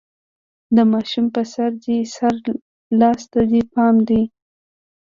د ماشوم په سر، دې سره لاس ته دې پام دی؟